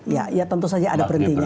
ya ya tentu saja ada berhentinya